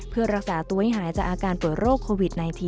เพื่อรักษาตัวให้หายจากอาการป่วยโรคโควิด๑๙